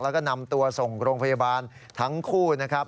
แล้วก็นำตัวส่งโรงพยาบาลทั้งคู่นะครับ